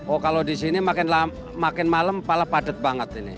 oh kalau disini makin malem pala padat banget ini